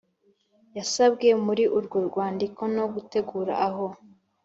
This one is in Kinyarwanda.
yasabwe muri urwo rwandiko no gutegura aho